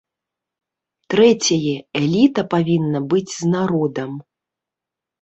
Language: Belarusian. Трэцяе, эліта павінна быць з народам.